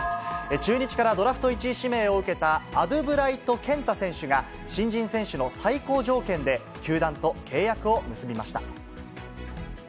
中日からドラフト１位指名を受けた、アドゥブライト健太選手が、新人選手の最高条件で球団と契約を結びました。